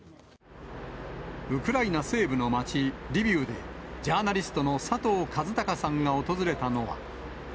ウクライナ西部の街、リビウで、ジャーナリストの佐藤和孝さんが訪れたのは。